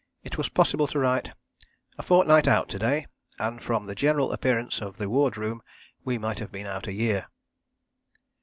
it was possible to write: "A fortnight out to day, and from the general appearance of the wardroom we might have been out a year."